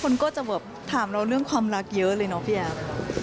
คนกลัวจะถามเราเรื่องความรักเยอะเลยพี่แอบ